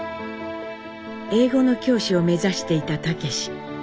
英語の教師を目指していた武。